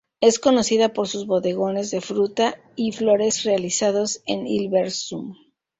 Es conocida por sus bodegones de fruta y flores realizados en Hilversum.